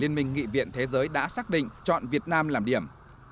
liên minh nghị viện thế giới đã xác định chọn việt nam làm điểm